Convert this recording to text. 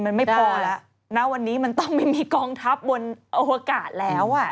มันไม่พอแล้วนะวันนี้มันต้องไม่มีกองทัพบนอวกาศแล้วอ่ะ